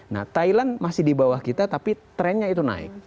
nah thailand masih di bawah kita tapi trennya itu naik